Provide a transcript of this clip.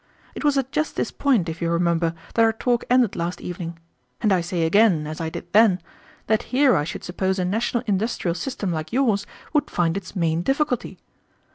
It was at just this point, if you remember, that our talk ended last evening; and I say again, as I did then, that here I should suppose a national industrial system like yours would find its main difficulty.